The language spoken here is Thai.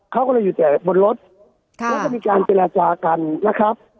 เขาก็เลยอยู่แต่บนรถแล้วก็มีการเจรจากันนะครับ